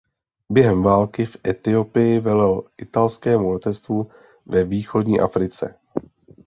Během války v Etiopii velel italskému letectvu ve Východní Africe.